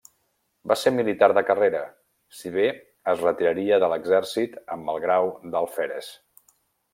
Va ser militar de carrera, si bé es retiraria de l'exèrcit amb el grau d'alferes.